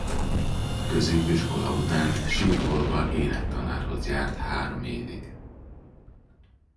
A középiskola után Sík Olga énektanárhoz járt három évig.